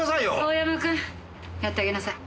遠山君やってあげなさい。